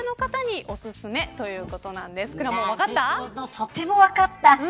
とても分かった。